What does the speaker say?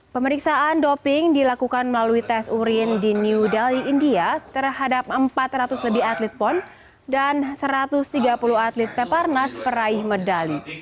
pemeriksaan doping dilakukan melalui tes urin di new delhi india terhadap empat ratus lebih atlet pon dan satu ratus tiga puluh atlet peparnas peraih medali